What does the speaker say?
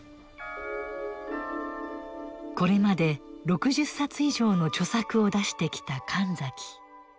これまで６０冊以上の著作を出してきた神崎。